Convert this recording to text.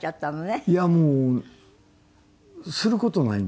「いやもうする事ないんで」